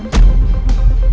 sampai jumpa lagi